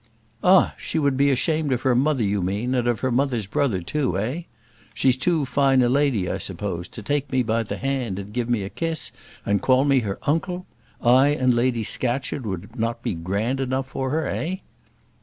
"Ah! she would be ashamed of her mother, you mean, and of her mother's brother too, eh? She's too fine a lady, I suppose, to take me by the hand and give me a kiss, and call me her uncle? I and Lady Scatcherd would not be grand enough for her, eh?"